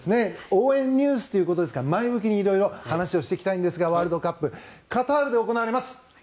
応援ＮＥＷＳということですから前向きに色々話をしていきたいんですがワールドカップカタールで行われます。